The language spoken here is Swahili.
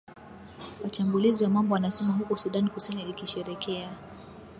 wachambuzi wa mambo wanasema huku sudan kusini ikisherekea